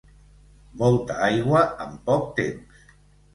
Molta aigua en poc temps.